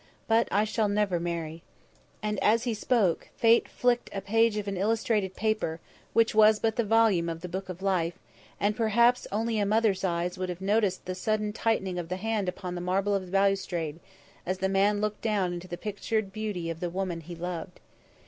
But I shall never marry." And as he spoke, Fate flicked a page of an illustrated paper, which was but the volume of the Book of Life, and perhaps only a mother's eyes would have noticed the sudden tightening of the hand upon the marble of the balustrade as the man looked down into the pictured beauty of the woman he loved.